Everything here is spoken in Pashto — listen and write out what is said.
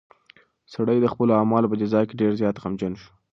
سړی د خپلو اعمالو په جزا کې ډېر زیات غمجن شو.